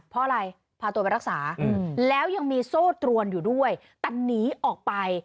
เพราะอะไรพาตัวไปรักษาแล้วยังมีโซ่ตรวนอยู่ด้วยแต่หนีออกไป